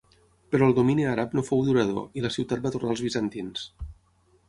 Però el domini àrab no fou durador i la ciutat va tornar als bizantins.